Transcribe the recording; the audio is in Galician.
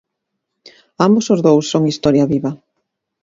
Ambos os dous son Historia viva.